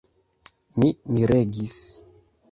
Mi miregis.